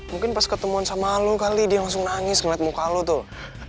mungkin pas ketemuan sama lo kali dia langsung nangis ngeliat muka lu tuh